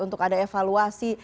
untuk ada evaluasi